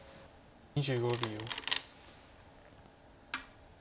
２５秒。